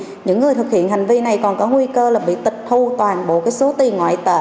những người thực hiện hành vi này còn có nguy cơ là bị tịch thu toàn bộ số tiền ngoại tệ